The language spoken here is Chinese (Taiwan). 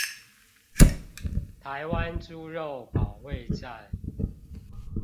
台灣豬肉保衛戰